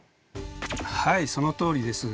はいそのとおりです。